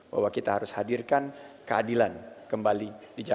bahwa kita harus hadirkan keadilan kembali